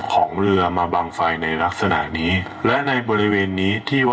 เข้าสรรเสกนี้เออ